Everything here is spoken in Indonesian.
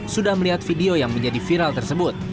sudah melihat video yang menjadi viral tersebut